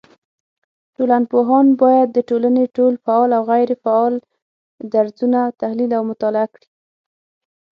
ټولنپوهان بايد د ټولني ټول فعال او غيري فعاله درځونه تحليل او مطالعه کړي